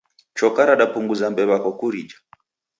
Choka radapunguza mbew'a kwa kurijha